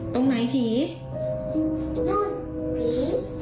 ตรงไหนผีไม่มี